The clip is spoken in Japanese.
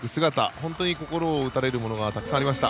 本当に心打たれるものがたくさんありました。